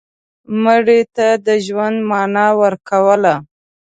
مړه ته د ژوند معنا ورکوله